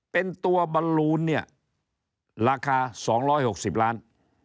เป็นตัวบรรลูนราคา๒๖๐ล้านบาท